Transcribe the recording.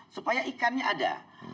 supaya ikannya ada